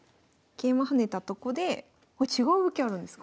桂馬跳ねたとこでこれ違う動きあるんですか？